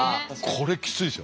これきついですよ。